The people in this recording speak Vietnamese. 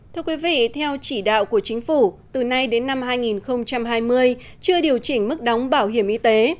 thưa quý vị theo chỉ đạo của chính phủ từ nay đến năm hai nghìn hai mươi chưa điều chỉnh mức đóng bảo hiểm y tế